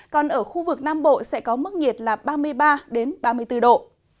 còn ở khu vực nam bộ sẽ có mức nhiệt là ba mươi ba ba mươi bốn độ